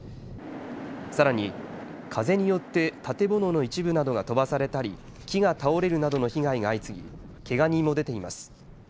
さらに、風によって建物の一部などが飛ばされたり木が倒れるなどの被害が相次ぎけが人も出ています。